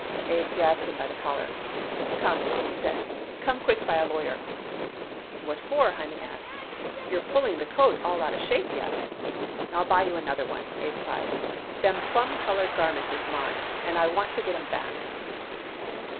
Abe grabbed him by the collar. "Come!" he said. "Come quick by a lawyer!" "What for?" Hyman asked. "You're pulling that coat all out of shape yet." "I'll buy you another one," Abe cried. "Them plum color garments is mine, and I want to get 'em back."